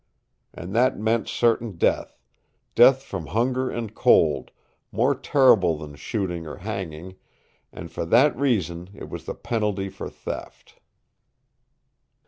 And that meant certain death death from hunger and cold, more terrible than shooting or hanging, and for that reason it was the penalty for theft.